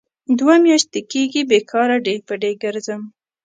دوه میاشې کېږي بې کاره ډۍ په ډۍ کرځم.